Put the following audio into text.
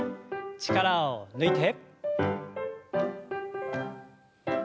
力を抜いて。